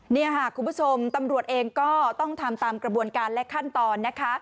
นี่ค่ะคุณผู้ชมตำรวจเองก็ต้องทำตามกระบวนการและขั้นตอนนะคะ